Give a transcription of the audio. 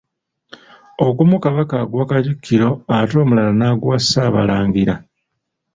Ogumu Kabaka aguwa Katikkiro ate omulala n'aguwa Ssaabalangira.